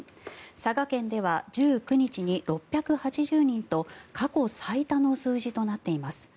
佐賀県では１９日に６８０人と過去最多の数字となっています。